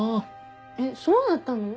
えっそうだったの？